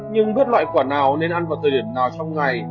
nhưng biết loại quả nào nên ăn vào thời điểm nào trong ngày